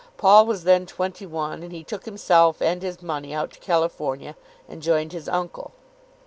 Paul was then twenty one, and he took himself and his money out to California, and joined his uncle.